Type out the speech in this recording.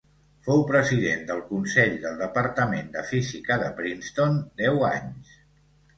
Fou president del consell del departament de física de Princeton deu anys.